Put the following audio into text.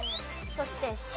そしてＣ。